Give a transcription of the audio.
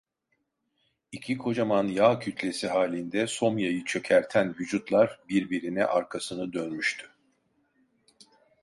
İki kocaman yağ kütlesi halinde somyayı çökerten vücutlar birbirine arkasını dönmüştü.